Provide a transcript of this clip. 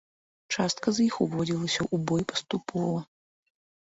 Частка з іх уводзілася ў бой паступова.